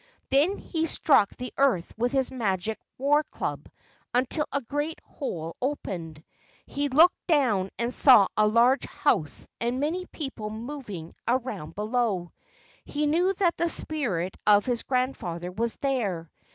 Then he struck the earth with his magic war club until a great hole opened. He looked down and saw a large house and many people moving around below. He knew that the spirit of his grandfather was there.